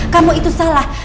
kamu itu salah